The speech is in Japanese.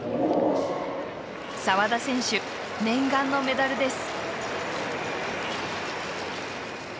澤田選手、念願のメダルです。